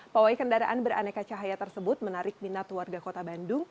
pawai kendaraan beraneka cahaya tersebut menarik minat warga kota bandung